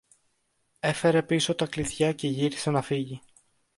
έφερε πίσω τα κλειδιά και γύρισε να φύγει.